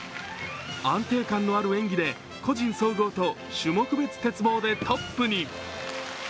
安定感のある演技で個人総合と種目別鉄棒でトップに。